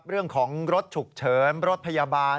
เรื่องของรถฉุกเฉินรถพยาบาล